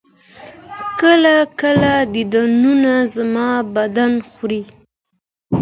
كله ،كله ديدنونه زما بــدن خــوري